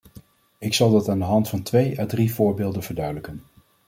Ik zal dat aan de hand van twee à drie voorbeelden verduidelijken.